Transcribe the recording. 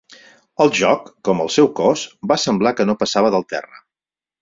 El joc, com el seu cos, va semblar que no passava del terra.